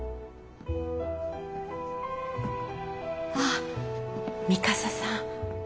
あっ三笠さん。